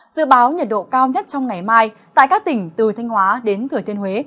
dự báo nhiệt độ cao nhất trong ngày mai tại các tỉnh từ thanh hóa đến thừa thiên huế